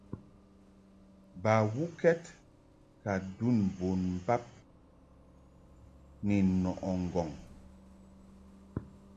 Bawukɛd ka ndun bon bab ni nɔʼɨ ŋgɔŋ.